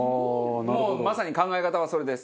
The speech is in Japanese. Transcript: もうまさに考え方はそれです。